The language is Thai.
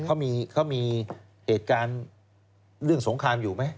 เขามีเหตุการณ์เรื่องสงครามอยู่ไหม